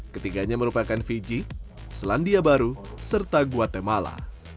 ketiganya merupakan fiji selandia baru serta guatemala